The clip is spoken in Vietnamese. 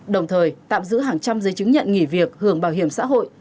đồng thời tạm giữ hàng trăm giấy chứng nhận nghỉ việc hưởng bảo hiểm xã hội